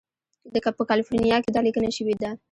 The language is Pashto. په کالیفورنیا کې دا لیکنه شوې ده.